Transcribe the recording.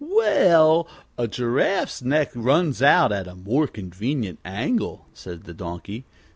"Well, a giraffe's neck runs out at a more convenient angle," said the Donkey.